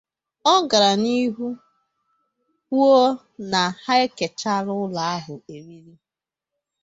Ọ gara n'ihu kwuo na ha ekechiela ụlọ ahụ eriri